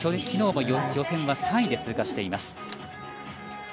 昨日も予選は３位で通過しています。